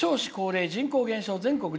少子高齢、人口減少